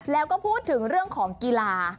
แล้วก็พูดถึงเรื่องของกีฬา